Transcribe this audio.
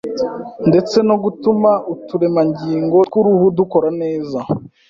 ndetse no gutuma uturemangingo tw’uruhu dukora neza